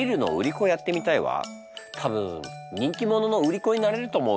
多分人気者の売り子になれると思うの。